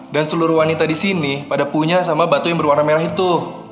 dan seluruh wanita di sini pada punya sama batu yang berwarna merah itu